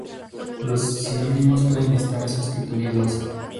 Los sinónimos pueden estar sustituidos.